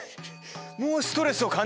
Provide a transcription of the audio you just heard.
もうストレスをかんじてる？